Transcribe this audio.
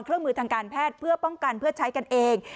เครื่องมือทางการแพทย์เพื่อป้องกันเพื่อใช้กันเอง